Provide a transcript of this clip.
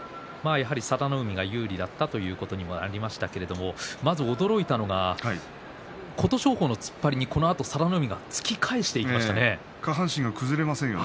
やはり佐田の海が有利だったということになりましたけれどもまず驚いたのが琴勝峰の突っ張りに佐田の海が下半身が崩れませんよね。